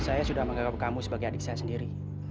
saya sudah menganggap kamu sebagai adik saya sendiri